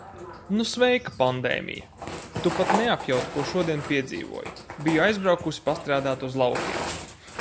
Nu sveika, pandēmija! Tu pat neapjaut, ko šodien piedzīvoju. Biju aizbraukusi pastrādāt uz laukiem.